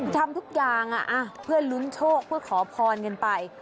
ทำทุกอย่างเพื่อลุ้นโชคเพื่อขอพรกันไป